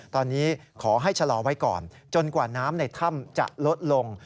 ตอนนี้ขอให้ชะลอไว้ก่อนจนกว่าน้ำในถ้ำจะลดลง